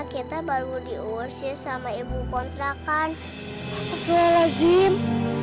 kita baru diurusin sama ibu kontrakan astagfirullahaladzim